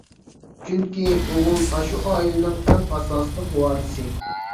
چۈنكى، ئوغۇل شۇ ئائىلىنىڭ ئەڭ ئاساسلىق ۋارىسى.